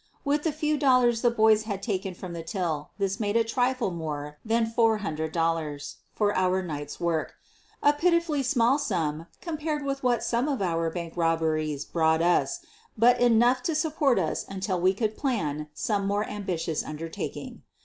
With the few dollars the boys had taken from the till this made a trifle more than four hundred dollars for our night's work — a pitifully small sum compared with what some of our bank robberies brought us, but enough to support us until we could plan some more ambi tious undertaking.